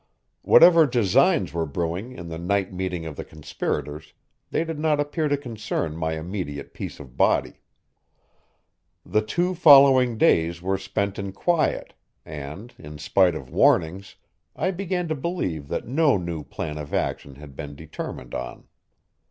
Whatever designs were brewing in the night meeting of the conspirators, they did not appear to concern my immediate peace of body. The two following days were spent in quiet, and, in spite of warnings, I began to believe that no new plan of action had been determined on.